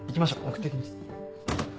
送っていきます。